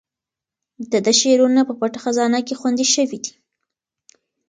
د ده شعرونه په پټه خزانه کې خوندي شوي دي.